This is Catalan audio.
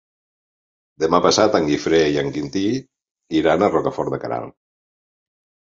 Demà passat en Guifré i en Quintí iran a Rocafort de Queralt.